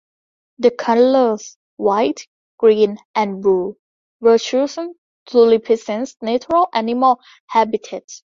The colors white, green and blue were chosen to represent natural animal habitats.